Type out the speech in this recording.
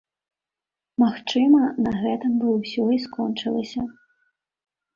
Магчыма, на гэтым бы ўсё і скончылася.